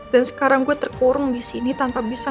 beneran lagi dengan kak keisha